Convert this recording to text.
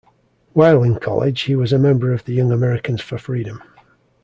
While in college, he was a member of the Young Americans for Freedom.